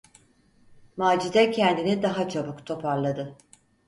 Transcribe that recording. Macide kendini daha çabuk toparladı.